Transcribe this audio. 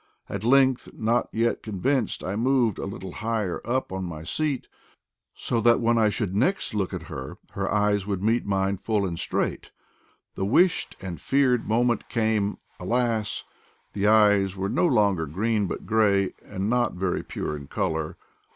At length, not yet convinced, I moved a little higher np on my seat, so that when I should next look at her her eyes would meet mine full and straight. The wished (and feared) moment came : alas ! the eyes were no longer green, but gray, and not very pure in color.